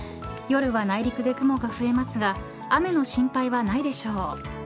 夜は内陸で雲が増えますが雨の心配はないでしょう。